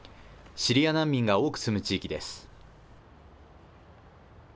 シリア難民が多く住む地域です。